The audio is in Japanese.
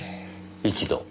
一度。